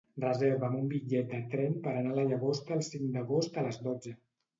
Reserva'm un bitllet de tren per anar a la Llagosta el cinc d'agost a les dotze.